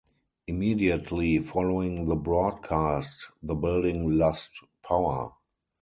Immediately following the broadcast, the building lost power.